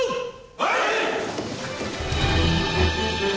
はい！